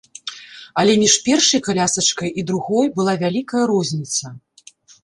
Але між першай калясачкай і другой была вялікая розніца.